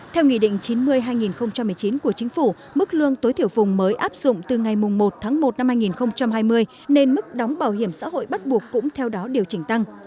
theo nghị định chín mươi hai nghìn một mươi chín của chính phủ mức lương tối thiểu vùng mới áp dụng từ ngày một tháng một năm hai nghìn hai mươi nên mức đóng bảo hiểm xã hội bắt buộc cũng theo đó điều chỉnh tăng